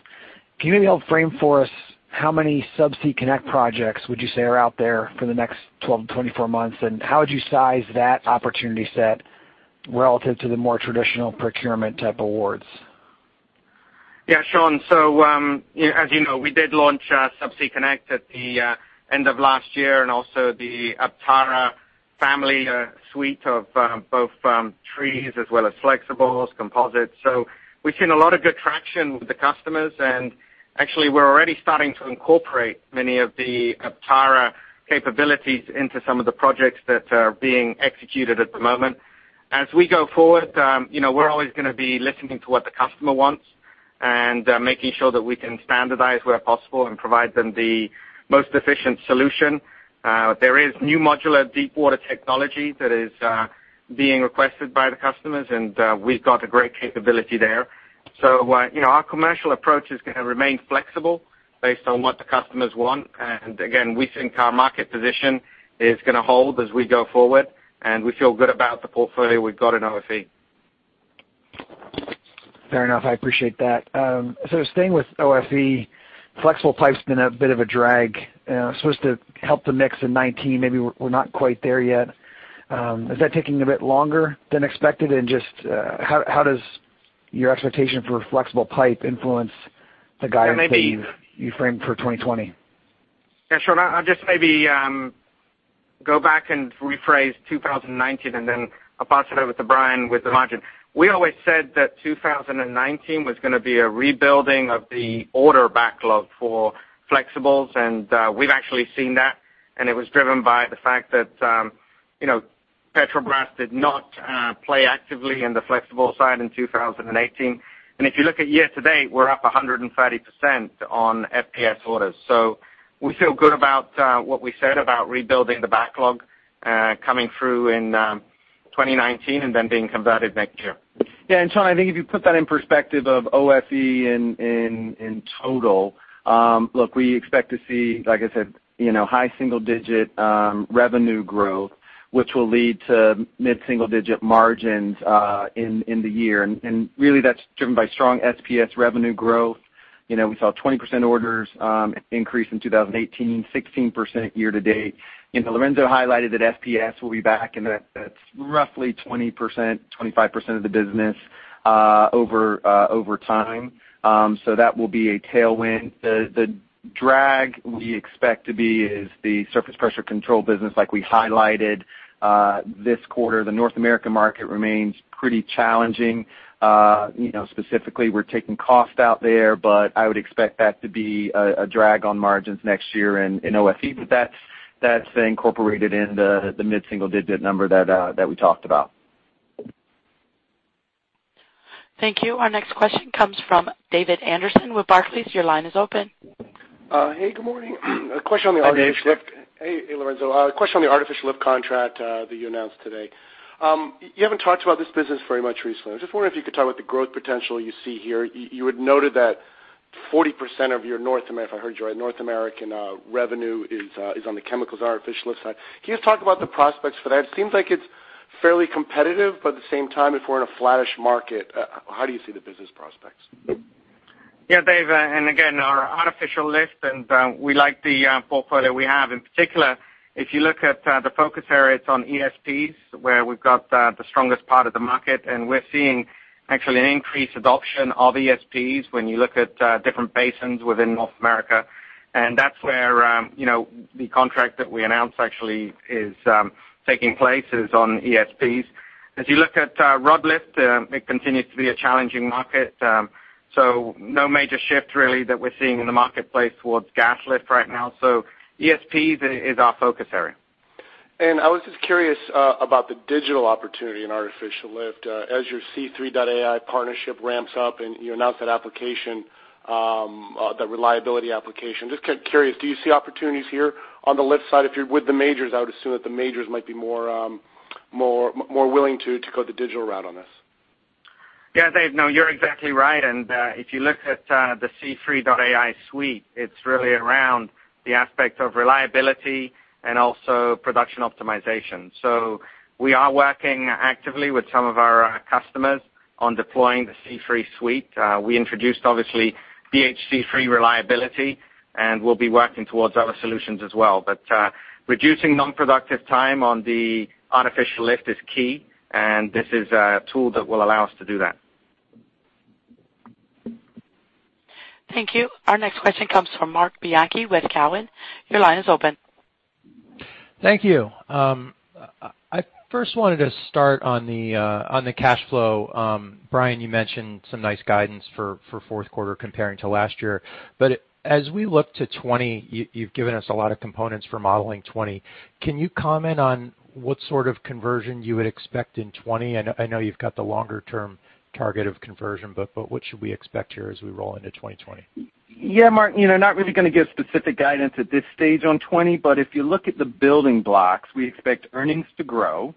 Can you maybe help frame for us how many Subsea Connect projects would you say are out there for the next 12 to 24 months, and how would you size that opportunity set relative to the more traditional procurement-type awards? Yeah, Sean. As you know, we did launch Subsea Connect at the end of last year, and also the Aptara family suite of both trees as well as flexibles, composites. We've seen a lot of good traction with the customers, and actually we're already starting to incorporate many of the Aptara capabilities into some of the projects that are being executed at the moment. As we go forward, we're always going to be listening to what the customer wants and making sure that we can standardize where possible and provide them the most efficient solution. There is new modular deepwater technology that is being requested by the customers, and we've got a great capability there. Our commercial approach is going to remain flexible based on what the customers want. Again, we think our market position is going to hold as we go forward, and we feel good about the portfolio we've got in OFE. Fair enough. I appreciate that. Staying with OFE, flexible pipe's been a bit of a drag. It was supposed to help the mix in 2019. Maybe we're not quite there yet. Is that taking a bit longer than expected, and just how does your expectation for flexible pipe influence the guidance that you framed for 2020? Yeah, Sean, I'll just maybe go back and rephrase 2019, and then I'll pass it over to Brian with the margin. We always said that 2019 was going to be a rebuilding of the order backlog for flexibles, and we've actually seen that, and it was driven by the fact that Petrobras did not play actively in the flexible side in 2018. If you look at year to date, we're up 130% on FPS orders. We feel good about what we said about rebuilding the backlog coming through in 2019 and then being converted next year. Sean, I think if you put that in perspective of OFE in total, look, we expect to see, like I said, high single-digit revenue growth, which will lead to mid-single-digit margins in the year. Really, that's driven by strong SPS revenue growth. We saw 20% orders increase in 2018, 16% year to date. Lorenzo highlighted that FPS will be back, that's roughly 20%-25% of the business over time. That will be a tailwind. The drag we expect to be is the Surface Pressure Control business like we highlighted this quarter. The North American market remains pretty challenging. Specifically, we're taking cost out there, I would expect that to be a drag on margins next year in OFE. That's incorporated in the mid-single-digit number that we talked about. Thank you. Our next question comes from David Anderson with Barclays. Your line is open. Hey, good morning. Hey, Dave. Hey, Lorenzo. A question on the artificial lift contract that you announced today. You haven't talked about this business very much recently. I was just wondering if you could talk about the growth potential you see here. You had noted that 40% of your North American revenue is on the chemicals artificial lift side. Can you just talk about the prospects for that? It seems like it's fairly competitive. At the same time, if we're in a flattish market, how do you see the business prospects? Yeah, Dave, again, our artificial lift and we like the portfolio we have. In particular, if you look at the focus areas on ESPs, where we've got the strongest part of the market, and we're seeing actually an increased adoption of ESPs when you look at different basins within North America. That's where the contract that we announced actually is taking place is on ESPs. As you look at rod lift, it continues to be a challenging market. No major shift really that we're seeing in the marketplace towards gas lift right now. ESP is our focus area. I was just curious about the digital opportunity in artificial lift. As your C3.ai partnership ramps up and you announce that Reliability Application, just kind of curious, do you see opportunities here on the lift side if you're with the majors? I would assume that the majors might be more willing to go the digital route on this. Yeah, Dave, no, you're exactly right. If you look at the C3.ai suite, it's really around the aspect of reliability and also production optimization. We are working actively with some of our customers on deploying the C3 suite. We introduced, obviously, BHC3 Reliability, and we'll be working towards other solutions as well. Reducing non-productive time on the artificial lift is key, and this is a tool that will allow us to do that. Thank you. Our next question comes from Marc Bianchi with Cowen. Your line is open. Thank you. I first wanted to start on the cash flow. Brian, you mentioned some nice guidance for fourth quarter comparing to last year. As we look to 2020, you've given us a lot of components for modeling 2020. Can you comment on what sort of conversion you would expect in 2020? I know you've got the longer-term target of conversion, but what should we expect here as we roll into 2020? Yeah, Marc, not really going to give specific guidance at this stage on 2020. If you look at the building blocks, we expect earnings to grow.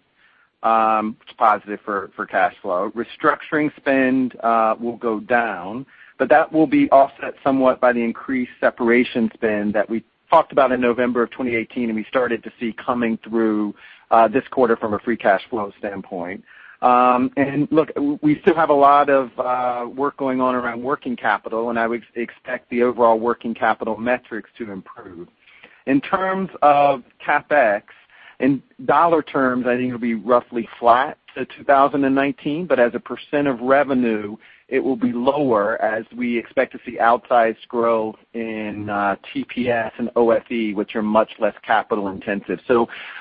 It's positive for cash flow. Restructuring spend will go down, but that will be offset somewhat by the increased separation spend that we talked about in November of 2018, and we started to see coming through this quarter from a free cash flow standpoint. Look, we still have a lot of work going on around working capital, and I would expect the overall working capital metrics to improve. In terms of CapEx, in dollar terms, I think it'll be roughly flat to 2019, but as a % of revenue, it will be lower as we expect to see outsized growth in TPS and OFE, which are much less capital intensive.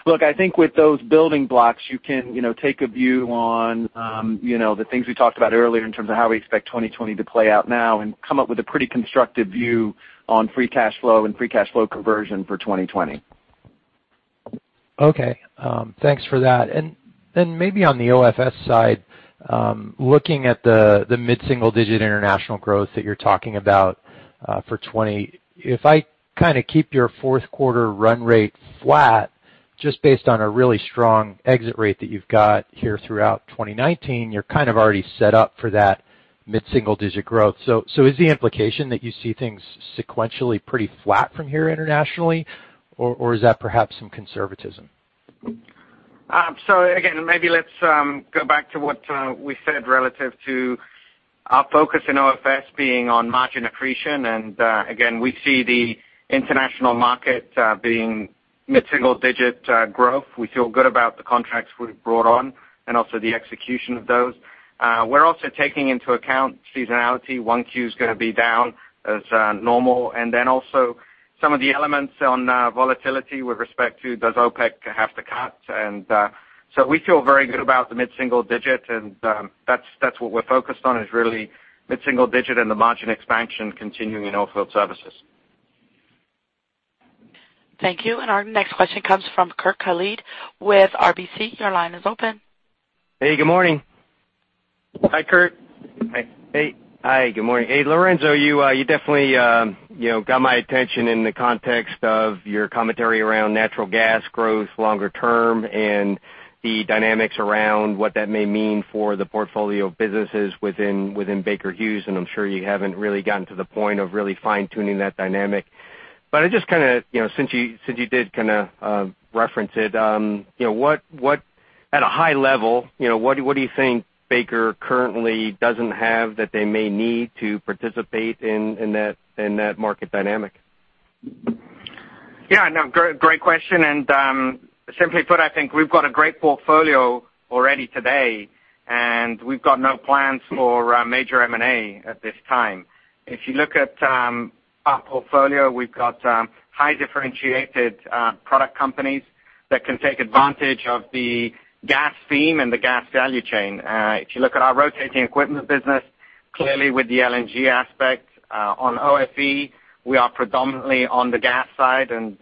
Look, I think with those building blocks, you can take a view on the things we talked about earlier in terms of how we expect 2020 to play out now and come up with a pretty constructive view on free cash flow and free cash flow conversion for 2020. Okay. Thanks for that. Then maybe on the OFS side, looking at the mid-single digit international growth that you're talking about for 2020, if I kind of keep your fourth quarter run rate flat just based on a really strong exit rate that you've got here throughout 2019, you're kind of already set up for that mid-single digit growth. Is the implication that you see things sequentially pretty flat from here internationally, or is that perhaps some conservatism? Again, maybe let's go back to what we said relative to our focus in OFS being on margin accretion. Again, we see the international market being mid-single digit growth. We feel good about the contracts we've brought on and also the execution of those. We're also taking into account seasonality. 1Q is going to be down as normal. Then also some of the elements on volatility with respect to does OPEC have to cut? We feel very good about the mid-single digit, and that's what we're focused on is really mid-single digit and the margin expansion continuing in Oilfield Services. Thank you. Our next question comes from Kurt Hallead with RBC. Your line is open. Hey, good morning. Hi, Kurt. Hey. Hi. Good morning. Hey, Lorenzo, you definitely got my attention in the context of your commentary around natural gas growth longer term and the dynamics around what that may mean for the portfolio of businesses within Baker Hughes. I'm sure you haven't really gotten to the point of really fine-tuning that dynamic. Since you did kind of reference it, at a high level, what do you think Baker currently doesn't have that they may need to participate in that market dynamic? Yeah, no, great question. Simply put, I think we've got a great portfolio already today, and we've got no plans for major M&A at this time. If you look at our portfolio, we've got high differentiated product companies that can take advantage of the gas theme and the gas value chain. If you look at our rotating equipment business, clearly with the LNG aspect on OFE, we are predominantly on the gas side, and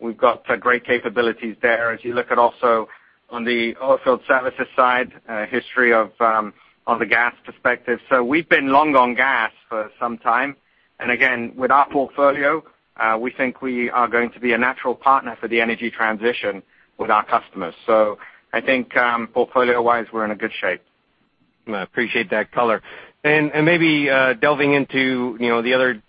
we've got great capabilities there. As you look at also on the Oilfield Services side, history of the gas perspective. We've been long on gas for some time. Again, with our portfolio, we think we are going to be a natural partner for the energy transition with our customers. I think portfolio-wise, we're in a good shape. Appreciate that color. maybe delving into the other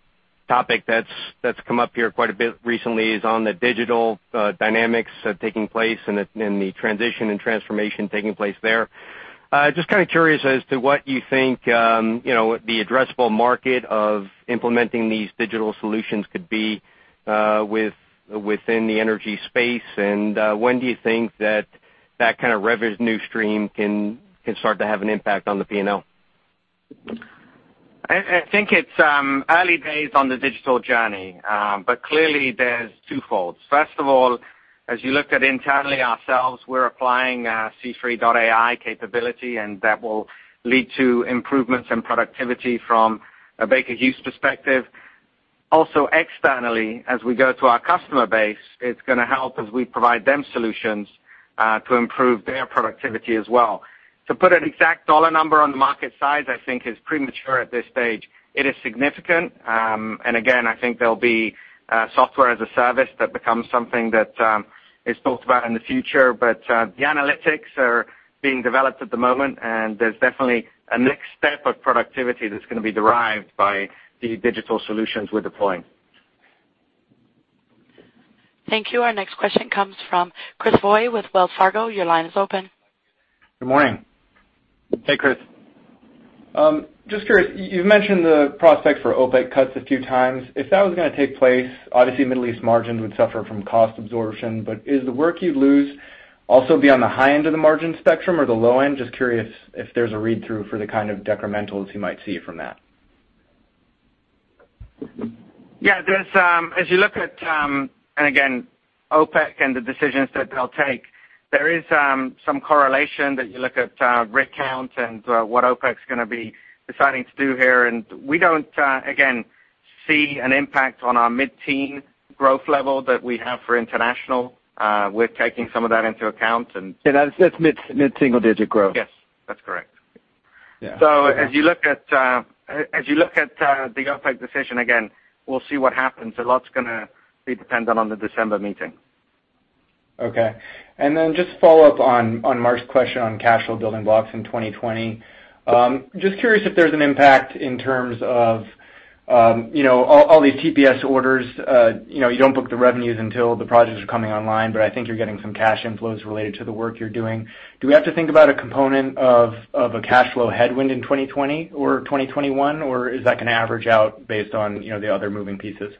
Topic that's come up here quite a bit recently is on the digital dynamics taking place and the transition and transformation taking place there. Just kind of curious as to what you think the addressable market of implementing these digital solutions could be within the energy space. When do you think that that kind of revenue stream can start to have an impact on the P&L? I think it's early days on the digital journey. Clearly there's twofolds. First of all, as you looked at internally ourselves, we're applying C3.ai capability, and that will lead to improvements in productivity from a Baker Hughes perspective. Also externally, as we go to our customer base, it's going to help as we provide them solutions to improve their productivity as well. To put an exact dollar number on the market size, I think is premature at this stage. It is significant. Again, I think there'll be software as a service that becomes something that is talked about in the future. The analytics are being developed at the moment, and there's definitely a next step of productivity that's going to be derived by the digital solutions we're deploying. Thank you. Our next question comes from Chris Snyder with Wells Fargo. Your line is open. Good morning. Hey, Chris. Just curious, you've mentioned the prospect for OPEC cuts a few times. If that was going to take place, obviously Middle East margins would suffer from cost absorption, but is the work you'd lose also be on the high end of the margin spectrum or the low end? Just curious if there's a read-through for the kind of decrementals you might see from that. Yeah. As you look at, and again, OPEC and the decisions that they'll take, there is some correlation that you look at rig count and what OPEC's going to be deciding to do here, and we don't, again, see an impact on our mid-teen growth level that we have for international. We're taking some of that into account. That's mid-single digit growth. Yes. That's correct. Yeah. As you look at the OPEC decision again, we'll see what happens. A lot's going to be dependent on the December meeting. Okay. Just follow up on Marc's question on cash flow building blocks in 2020. Just curious if there's an impact in terms of all these TPS orders. You don't book the revenues until the projects are coming online, but I think you're getting some cash inflows related to the work you're doing. Do we have to think about a component of a cash flow headwind in 2020 or 2021, or is that going to average out based on the other moving pieces?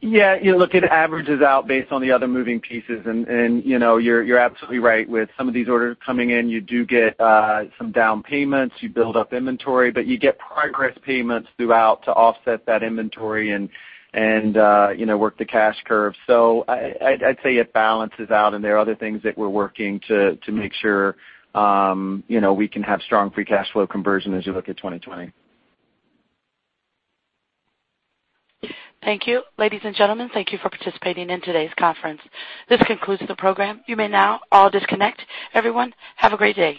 You look, it averages out based on the other moving pieces, and you're absolutely right. With some of these orders coming in, you do get some down payments. You build up inventory, but you get progress payments throughout to offset that inventory and work the cash curve. I'd say it balances out, and there are other things that we're working to make sure we can have strong free cash flow conversion as you look at 2020. Thank you. Ladies and gentlemen, thank you for participating in today's conference. This concludes the program. You may now all disconnect. Everyone, have a great day.